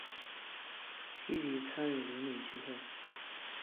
积极参与邻里聚会